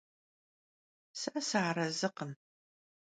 Se sıarezıkhım.